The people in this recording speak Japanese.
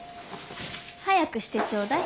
早くしてちょうだい。